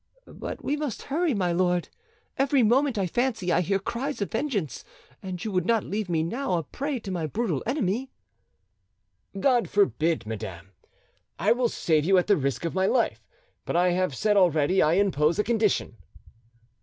But we must hurry, my lord: every moment I fancy I hear cries of vengeance, and you would not leave me now a prey to my brutal enemy?" "God forbid, madam; I will save you at the risk of my life; but I have said already, I impose a condition."